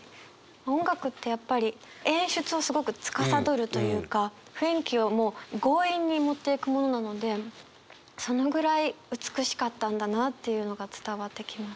音楽ってやっぱり演出をすごくつかさどるというか雰囲気をもう強引に持っていくものなのでそのぐらい美しかったんだなっていうのが伝わってきます。